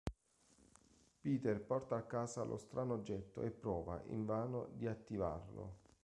Peter porta a casa lo strano oggetto e prova, invano, di attivarlo.